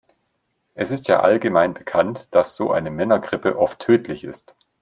Es ist ja allgemein bekannt, dass so eine Männergrippe oft tödlich ist.